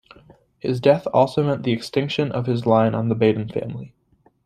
His death also meant the extinction of his line of the Baden family.